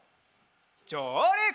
じょうりく！